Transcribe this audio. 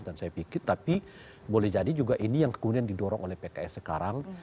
dan saya pikir tapi boleh jadi juga ini yang kemudian didorong oleh pks sekarang